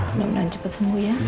mudah mudahan cepat sembuh ya